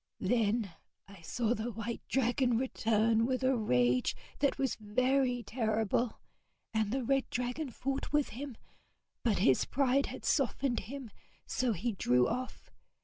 Then I saw the white dragon return with a rage that was very terrible, and the red dragon fought with him; but his pride had softened him, so he drew off.